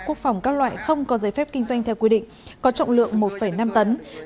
quốc phòng các loại không có giấy phép kinh doanh theo quy định có trọng lượng một năm tấn